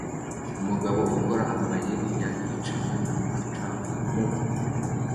Umugabo ukora amayeri ya yicaye kumu canga mu